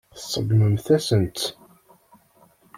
Tseggmemt-asen-tt.